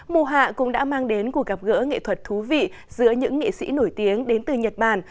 mùa hạ cũng đã mang đến cuộc gặp gỡ nghệ thuật thú vị giữa những nghị sĩ nổi tiếng đến từ nhật bản